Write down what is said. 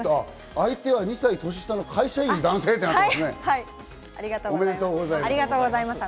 相手は２歳年下の会社員・男性なんですね。